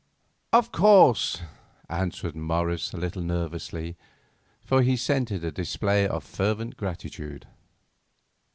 "Of course," answered Morris a little nervously, for he scented a display of fervent gratitude.